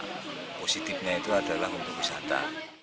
dan positifnya itu adalah untuk wisata